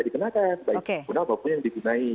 dikenakan baik kriminal apapun yang digunain